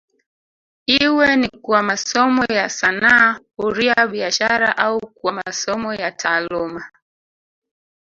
Iwe ni kwa masomo ya sanaa huria biashara au kwa masomo ya taaluma